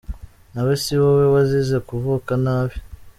Nawe si wowe wazize kuvuka nabi.!